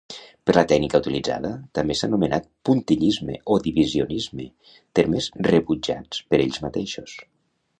Per la tècnica utilitzada, també s'ha anomenat puntillisme o divisionisme, termes rebutjats per ells mateixos.